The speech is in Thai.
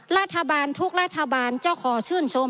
รัฐบาลทุกรัฐบาลเจ้าขอชื่นชม